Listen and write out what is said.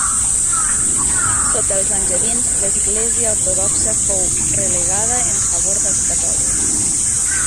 Sota els angevins, l'Església ortodoxa fou relegada en favor dels catòlics.